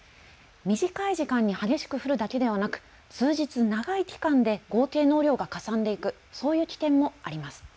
短い時間に激しく降るだけではなく、数日長い期間で合計の雨量がかさんでいくそういう危険もあります。